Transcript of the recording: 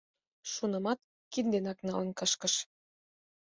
Шунымат кид денак налын кышкыш.